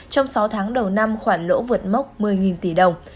trong sáu tháng đầu năm khoản lỗ vượt mốc một mươi tỷ đồng